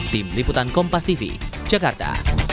tim liputan kompas tv jakarta